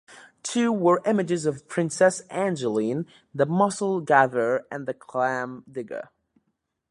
Two were images of Princess Angeline, "The Mussel Gatherer" and "The Clam Digger".